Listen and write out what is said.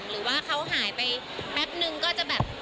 หรือว่าเขาหายไปแป๊บนึงก็จะแบบ